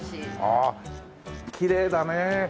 ああきれいだね。